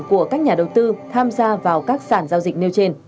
của các nhà đầu tư tham gia vào các sản giao dịch nêu trên